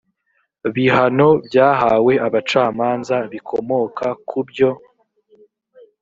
bihano byahawe abacamanza bikomoka ku byo